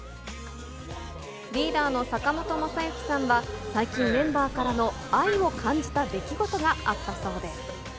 リーダーの坂本昌行さんは、最近メンバーからの愛を感じた出来事があったそうです。